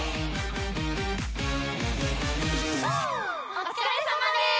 おつかれさまです！